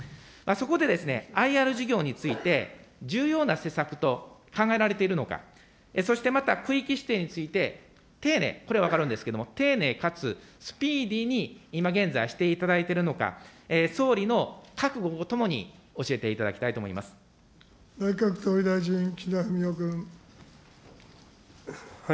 そこでですね、ＩＲ事業について重要な施策と考えられているのか、そしてまた、区域指定について、丁寧、これは分かるんですけれども、丁寧かつスピーディーに、今現在、していただいているのか、総理の覚悟とともに教えていただきたい内閣総理大臣、岸田文雄君。